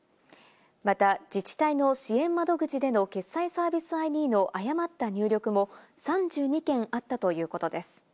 また、自治体の支援窓口での決済サービスＩＤの誤った入力も３２件あったということです。